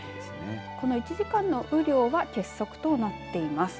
この１時間の雨量は欠測となっています。